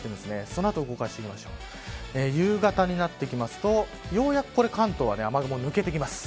その後、夕方になってくるとようやく関東は雨雲が抜けてきます。